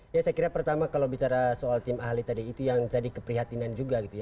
saya kira pertama kalau bicara soal tim ahli tadi itu yang jadi keprihatinan juga